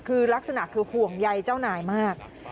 คือลักษณะคือห่วงใยเจ้านายมาก